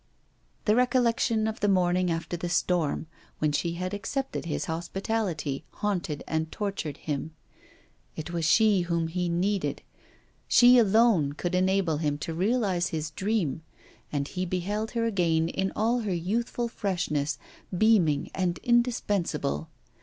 The recollection of the morning after the storm, when she had accepted his hospitality, haunted and tortured him. It was she whom he needed; she alone could enable him to realise his dream, and he beheld her again in all her youthful freshness, beaming and indispensable.